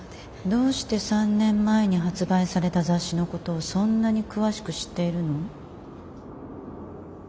どうして３年前に発売された雑誌のことをそんなに詳しく知っているの？